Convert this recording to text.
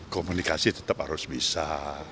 komunikasi tetap harus bisa